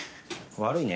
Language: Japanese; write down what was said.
悪いね。